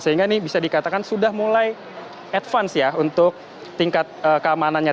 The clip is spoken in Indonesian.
sehingga ini bisa dikatakan sudah mulai advance ya untuk tingkat keamanannya